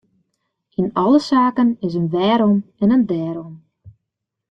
Yn alle saken is in wêrom en in dêrom.